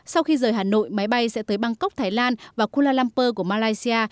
sau khi rời hà nội máy bay sẽ tới bangkok thái lan và kuala lumpur của malaysia